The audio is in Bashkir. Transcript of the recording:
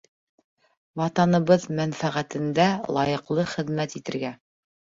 Ватаныбыҙ мәнфәғәтендә лайыҡлы хеҙмәт итергә.